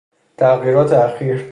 تغییرات اخیر